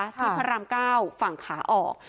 ที่พระรามเก้าฝั่งขาออก